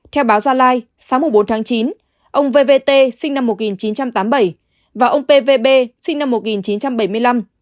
theo báo gia lai sáng bốn tháng chín ông vv t sinh năm một nghìn chín trăm tám mươi bảy và ông pvb sinh năm một nghìn chín trăm bảy mươi năm